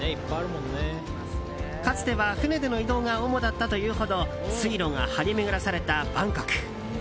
かつては船での移動が主だったというほど水路が張り巡らされたバンコク。